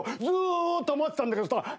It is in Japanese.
ずーっと待ってたんだけどさ